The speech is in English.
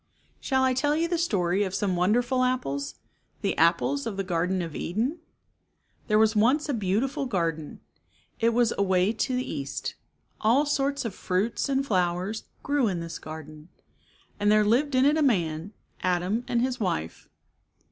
Shall I tell you the story of some wonderful apples, the apples of the Garden of Eden ? There was once a beautiful garden. It was away to the east. All sorts of fruits and flowers grew in this garden. And there lived in it a man, Adam, and his wife.